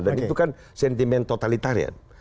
dan itu kan sentimen totalitarian